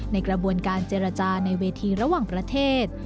ในกระบวนการเจรจาในเวทีระหว่างประเทศ